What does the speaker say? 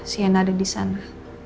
siana ada di sana